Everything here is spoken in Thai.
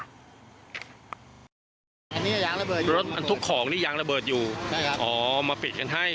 รถบันทุกของนี่ยังระเบิดอยู่อ๋อมาปิดกันให้